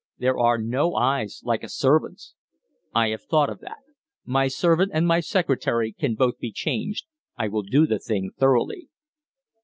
There are no eyes like a servant's." "I have thought of that. My servant and my secretary can both be changed. I will do the thing thoroughly."